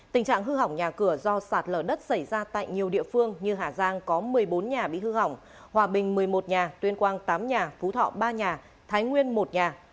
tình trạng hư hỏng nhà cửa do sạt lở đất xảy ra tại nhiều địa phương như hà giang có một mươi bốn nhà bị hư hỏng hòa bình một mươi một nhà tuyên quang tám nhà phú thọ ba nhà thái nguyên một nhà